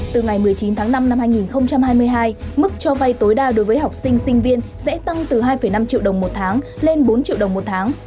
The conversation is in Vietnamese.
từ ngày một mươi chín tháng năm năm hai nghìn hai mươi hai mức cho vay tối đa đối với học sinh sinh viên sẽ tăng từ hai năm triệu đồng một tháng lên bốn triệu đồng một tháng